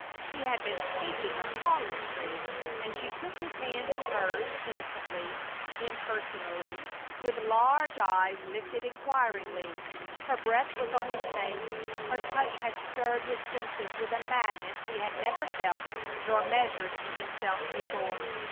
She had been speaking of palmistry, and she took his hand in hers, innocently, impersonally, with large eyes lifted inquiringly. Her breath was on his face; her touch had stirred his senses with a madness he had never felt nor measured in himself before.